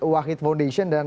wahid foundation dan